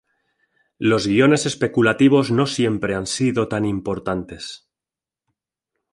Los guiones especulativos no siempre han sido tan importantes.